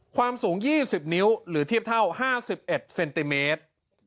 ความสูง๒๐นิ้วหรือเทียบเท่า๕๑เซนติเมตร